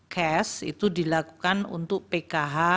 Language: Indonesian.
cash itu dilakukan untuk pkh